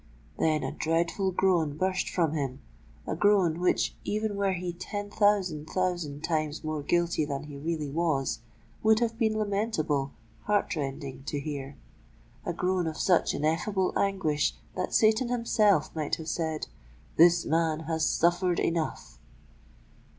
Then a dreadful groan burst from him,—a groan which, even were he ten thousand, thousand times more guilty than he really was, would have been lamentable, heart rending to hear,—a groan of such ineffable anguish that Satan himself might have said, "This man hath suffered enough!"